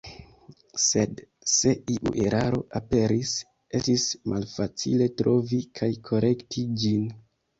Sed se iu eraro aperis, estis malfacile trovi kaj korekti ĝin.